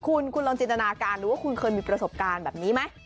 คุณคุณลองจินตนาการดูว่าคุณเคยมีประสบการณ์แบบนี้ไหม